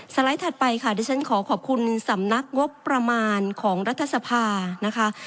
ไลด์ถัดไปค่ะดิฉันขอขอบคุณสำนักงบประมาณของรัฐสภานะคะ